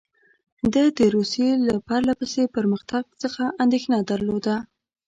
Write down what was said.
ده د روسیې د پرله پسې پرمختګ څخه اندېښنه درلوده.